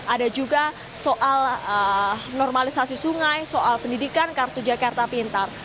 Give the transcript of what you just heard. ada juga soal normalisasi sungai soal pendidikan kartu jakarta pintar